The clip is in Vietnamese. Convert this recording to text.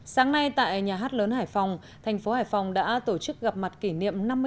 sáng nay tại nhà hát lớn hải phòng thành phố hải phòng đã tổ chức gặp mặt kỷ niệm năm mươi năm